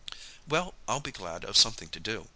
"Well, I'll be glad of something to do.